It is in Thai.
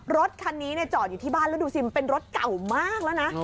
รถคันนี้จอดอยู่ที่บ้านแล้วดูสิมันเป็นรถเก่ามากแล้วนะ